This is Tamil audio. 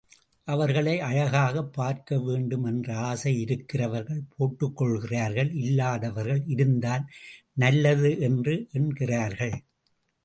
அவர்களை அழகாகப் பார்க்க வேண்டும் என்ற ஆசை இருக்கிறவர்கள் போட்டுக்கொள்கிறார்கள் இல்லாதவர்கள் இருந்தால் நல்லது என்று எண் கிறார்கள்.